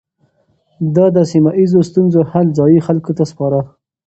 ده د سيمه ييزو ستونزو حل ځايي خلکو ته سپاره.